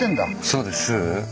そうです。